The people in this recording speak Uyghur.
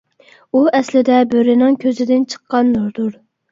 ئۇ ئەسلىدە بۆرىنىڭ كۆزىدىن چىققان نۇردۇر.